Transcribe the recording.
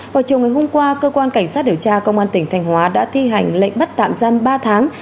vào chiều ngày hôm qua cơ quan cảnh sát điều tra công an tỉnh thanh hóa đã thi hành lệnh bắt tạm giam ba tháng